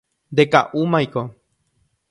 Ndeka'úmaiko.